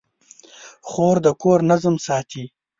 خور د کور نظم ساتي.